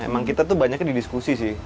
emang kita tuh banyaknya di diskusi sih